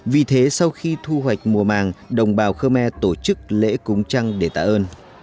vì thế sau khi thu hoạch mùa màng đồng bào khơ me tổ chức lễ cúng trăng để tạ ơn